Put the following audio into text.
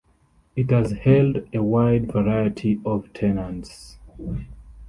It has held a wide variety of tenants.